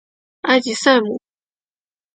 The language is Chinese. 埃吉赛姆。